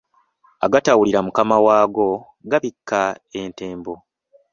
Agatawulira mukama waago gabikka entembo.